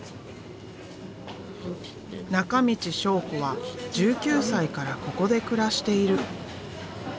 中道章子は１９歳からここで暮らしている。